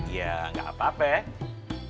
ya nggak apa apa ya